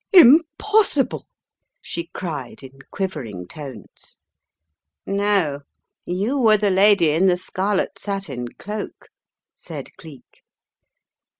" Impossible !" she cried in quivering tones. "No, you were the lady in the scarlet satin cloak/' said Cleek.